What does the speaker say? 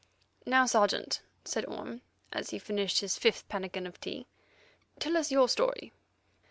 "Now, Sergeant," said Orme, as he finished his fifth pannikin of tea, "tell us your story."